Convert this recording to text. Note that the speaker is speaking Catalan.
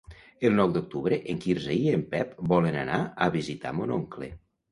El nou d'octubre en Quirze i en Pep volen anar a visitar mon oncle.